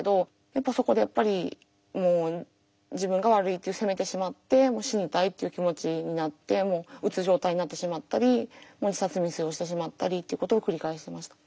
やっぱそこでやっぱりもう自分が悪いってせめてしまってもう死にたいっていう気持ちになってうつ状態になってしまったり自殺未遂をしてしまったりっていうことを繰り返しました。